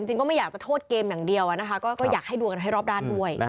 จริงก็ไม่อยากจะโทษเกมอย่างเดียวนะคะก็อยากให้ดูกันให้รอบด้านด้วย